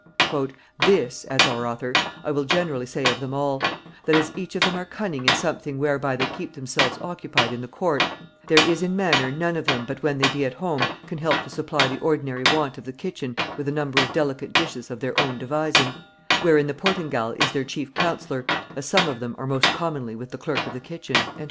"This," adds our author, "I will generally say of them all; that as each of them are cunning in something whereby they keep themselves occupied in the court, there is in manner none of them but when they be at home can help to supply the ordinary want of the kitchen with a number of delicate dishes of their own devising, wherein the portingal is their chief counsellor, as some of them are most commonly with the clerk of the kitchen," &c.